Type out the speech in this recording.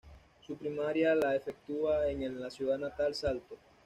Su primaria la efectúa en la ciudad natal Salto.